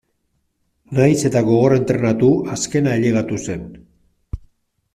Nahiz eta gogor entrenatu azkena ailegatu zen.